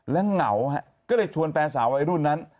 และเหงาก็เลยชวนแฟนสาววัยรุ่นนั้น